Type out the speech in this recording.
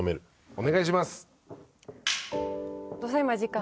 お願いします。